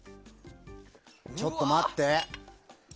ちょっと待って。